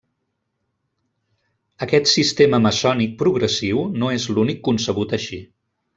Aquest sistema Maçònic progressiu, no és l'únic concebut així.